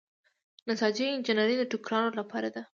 نساجي انجنیری د ټوکرانو لپاره ده.